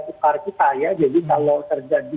tukar kita ya jadi kalau terjadi